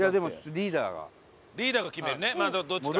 リーダーが決めるね。